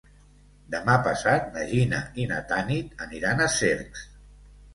Demà passat na Gina i na Tanit aniran a Cercs.